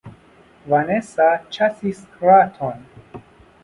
Vanesa ĉasis raton.